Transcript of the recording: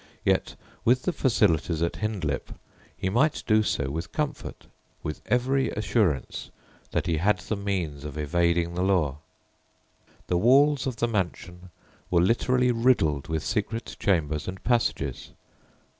Yet with the facilities at Hindlip he might do so with comfort, with every assurance that he had the means of evading the law. The walls of the mansion were literally riddled with secret chambers and passages.